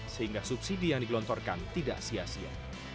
sehingga subsidi yang digelontorkan tidak sia sia